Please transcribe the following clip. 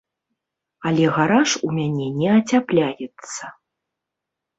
Але гараж у мяне не ацяпляецца.